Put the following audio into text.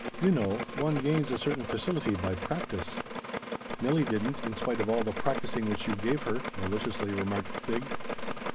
You know, one gains a certain facility by practice." "Milli didn't, in spite of all the practicing which you gave her," maliciously remarked Thig.